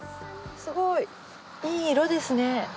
すごい。いい色ですね。